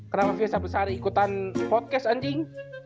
kenapa vsub besar ikutan podcast anjing